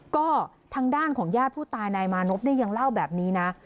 ก็ทางด้านของญาติผู้ตายนายมานพยังเล่าแบบนี้นะ